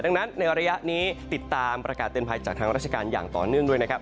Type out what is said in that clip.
ดังนั้นในระยะนี้ติดตามประกาศเตือนภัยจากทางราชการอย่างต่อเนื่องด้วยนะครับ